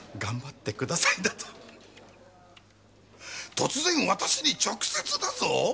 突然私に直接だぞ！